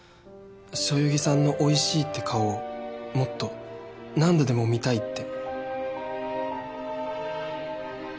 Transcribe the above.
そよぎさんの「おいしい」って顔をもっと何度でも見たいって